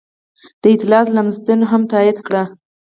دا اطلاعات لمسډن هم تایید کړل.